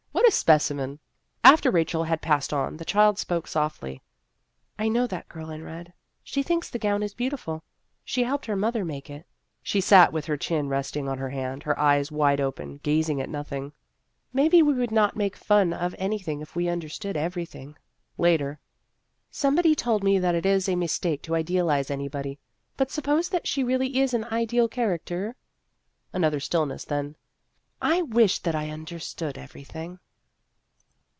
What a specimen !" After Rachel had passed on, the child spoke softly : "I know that girl in red. She thinks the gown is beautiful ; she helped her mother make it." Heroic Treatment 95 She sat with her chin resting on her hand, her eyes wide open, gazing at nothing. " Maybe we would not make fun of anything if we understood everything." Later, " Somebody told me that it is a mistake to idealize anybody, but suppose that she really is an ideal character Another stillness ; then, " I wish that I understood everything."